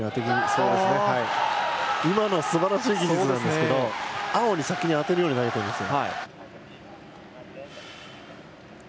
すばらしい技術なんですが青に先に当てるように投げてますね。